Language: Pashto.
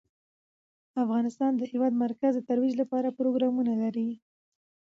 افغانستان د د هېواد مرکز د ترویج لپاره پروګرامونه لري.